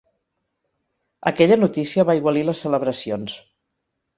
Aquella notícia va aigualir les celebracions.